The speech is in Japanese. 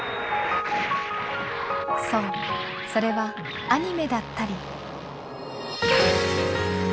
そうそれはアニメだったり。